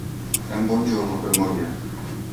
È un buon giorno per morire!